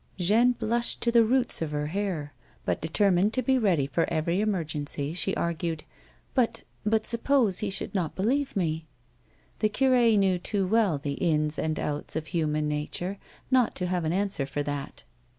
Jeanne blushed to the roots of her hair, but, determined to be ready for every emergency, she argued :" But — but suppose he should not believe me 1" The cure knew too well the ins and outs of human nature not to have an answer for that.